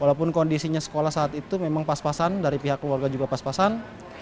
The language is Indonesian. walaupun kondisinya sekolah saat itu memang pas pasan dari pihak keluarga juga pas pasan